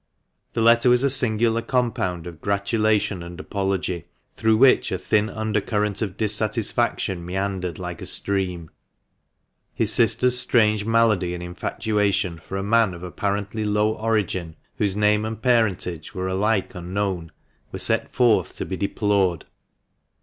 The letter was a singular AUGUSTA DRESSING. 39$ THE MANCHESTER MAN. compound of gratulation and apology, through which a thin undercurrent of dissatisfaction meandered like a stream. His sister's strange malady and infatuation for a man of apparently low origin, whose name and parentage were alike unknown, were set forth to be deplored.